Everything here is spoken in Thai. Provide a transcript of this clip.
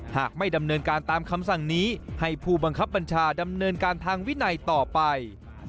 หากไม่ดำเนินการตามคำสั่งนี้ให้ผู้บังคับบัญชาดำเนินการทางวินัยต่อไป